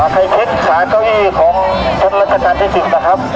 ใครทิ้งสระเก้าอี้ของท่านรัฐการณ์ที่สิทธิ์นะครับ